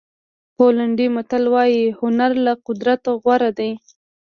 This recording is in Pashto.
پولنډي متل وایي هنر له قدرت غوره دی.